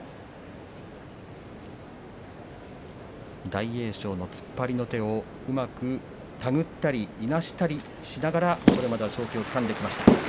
大栄翔の突っ張りの手をうまく手繰ったり、いなしたりしながらこれまでは勝機をつかんできました。